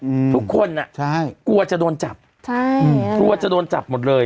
อืมทุกคนอ่ะใช่กลัวจะโดนจับใช่อืมกลัวจะโดนจับหมดเลย